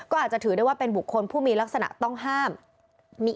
ก็อาจจะถือได้ว่าเป็นบุคคลผู้มีลักษณะต้องห้าม